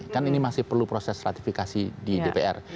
kan ini masih perlu proses ratifikasi di dpr